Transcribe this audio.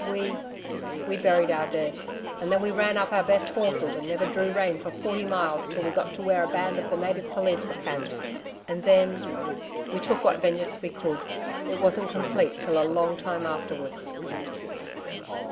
We ... we buried our dead.... And then we ran up our best horses and never drew rein for forty miles till we'd got to where a band of the Native Police were camped.... And then ... we took what vengeance we could.... It wasn't complete till a long time afterwards.'